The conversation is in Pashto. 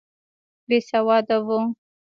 بېسواده وو.